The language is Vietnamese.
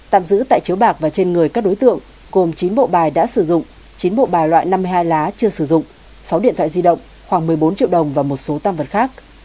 tạm giữ tại chiếu bạc và trên người các đối tượng gồm chín bộ bài đã sử dụng chín bộ bài loại năm mươi hai lá chưa sử dụng sáu điện thoại di động khoảng một mươi bốn triệu đồng và một số tam vật khác